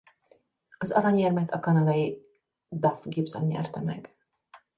Az aranyérmet a kanadai Duff Gibson nyerte meg.